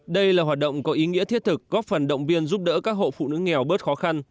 đây là hoạt động có ý nghĩa thiết thực góp phần động viên giúp đỡ các hộ phụ nữ nghèo bớt khó khăn